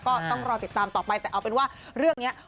ก็ต้องรอติดตามต่อไปแต่เอาเป็นว่าเรื่องนี้